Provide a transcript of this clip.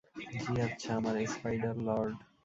জ্বি আচ্ছা, আমার স্পাইডার-লর্ড।